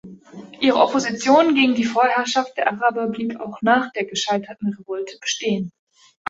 Ihre Opposition gegen die Vorherrschaft der Araber blieb auch nach der gescheiterten Revolte bestehen.